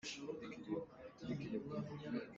Phaisa tampi a ngei.